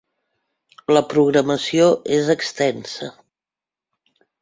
La programació és extensa.